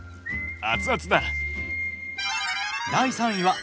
熱々だ！